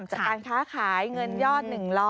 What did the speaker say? จากการค้าขายเงินยอด๑๐๐